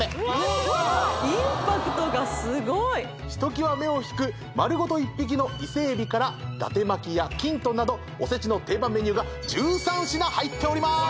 すごっインパクトがすごいひときわ目を引く丸ごと１匹のイセエビから伊達巻やきんとんなどおせちの定番メニューが１３品入っております